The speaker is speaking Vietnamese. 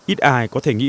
ít ai có thể nghĩ